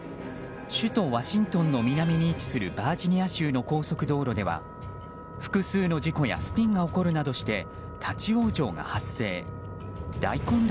首都ワシントンの南に位置するバージニア州の高速道路では、複数の事故やスピンが起こるなどして